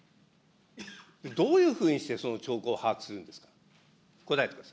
どういうふうにして、その兆候を把握するんですか。